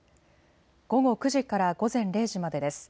午後９時から午前０時までです。